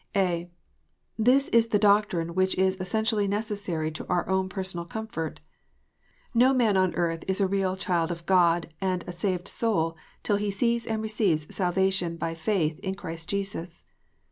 (a) This is the doctrine which is essentially necessary to our own personal comfort. No man on earth is a real child of God, and a saved soul, till he sees and receives salvation by faith in Christ Jesus.